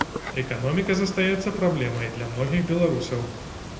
Эканоміка застаецца праблемай для многіх беларусаў.